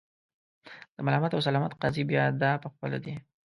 د ملامت او سلامت قاضي بیا دای په خپله دی.